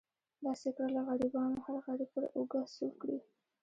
داسې کړه له غریبانو هر غریب پر اوږه سور کړي.